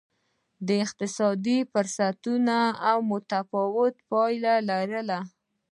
د اقتصادي فرصتونو هم متفاوتې پایلې لرلې.